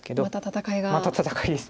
また戦いが。